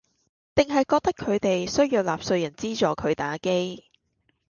定係覺得佢哋需要納稅人資助佢打機